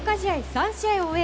３試合を終え